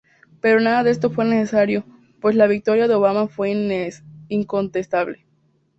Pero nada de esto fue necesario, pues la victoria de Obama fue incontestable.